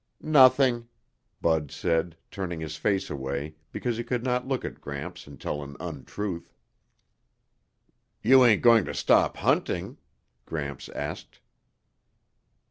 "Nothing," Bud said, turning his face away because he could not look at Gramps and tell an untruth. "You ain't going to stop hunting?" Gramps asked.